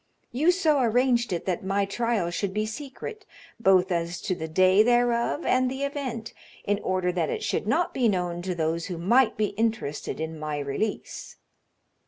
You so arranged it that my trial should be secret, both as to the day thereof and the event, in order that it should not be known to those who might be interested in my release.